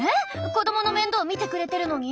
子どもの面倒見てくれてるのに？